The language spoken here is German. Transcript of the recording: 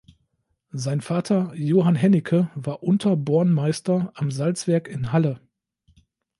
Sein Vater Johann Hennicke war Unter-Bornmeister am Salzwerk in Halle.